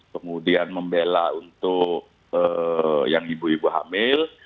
kemudian membela untuk yang ibu ibu hamil